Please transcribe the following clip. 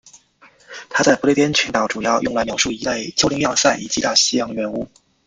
它在不列颠群岛主要用来描述一类丘陵要塞以及大西洋圆屋。